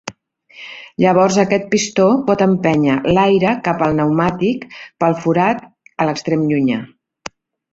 Llavors aquest pistó pot empènyer l'aire cap al pneumàtic pel forat a l'extrem llunyà.